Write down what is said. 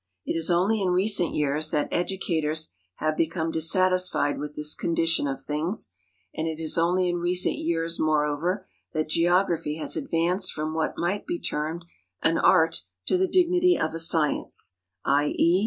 It is only in re cent years that educators have become dissatislied with this condition of things, and it is only in recent years, moreover, that geography has ad vanced from what might be termed an art to tlie dignity of a science — i. e.